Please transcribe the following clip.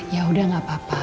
yaudah gak apa apa